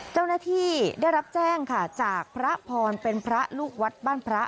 เจ้าหน้าที่ได้รับแจ้งค่ะจากพระพรเป็นพระลูกวัดบ้านพระ